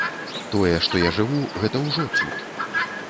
Тое, што я жыву, гэта ўжо цуд.